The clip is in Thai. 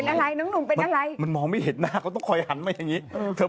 พลิกต๊อกเต็มเสนอหมดเลยพลิกต๊อกเต็มเสนอหมดเลย